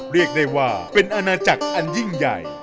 เรียกได้ว่าเป็นอาณาจักรอันยิ่งใหญ่